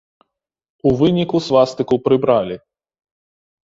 У выніку свастыку прыбралі.